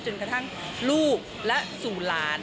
กระทั่งลูกและสู่หลาน